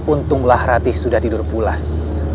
untunglah ratih sudah tidur pulas